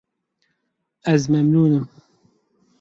Ez memnûn im.